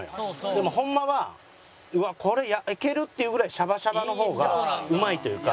でもホンマはうわこれ焼ける？っていうぐらいシャバシャバの方がうまいというか。